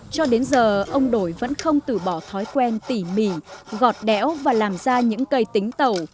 cho đến giờ ông đổi vẫn không từ bỏ thói quen tỉ mỉ gọt đéo và làm ra những cây tính tẩu